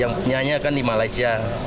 yang punyanya kan di malaysia